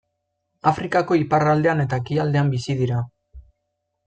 Afrikako iparraldean eta ekialdean bizi dira.